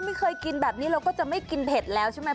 ไม่เคยกินแบบนี้เราก็จะไม่กินเผ็ดแล้วใช่ไหม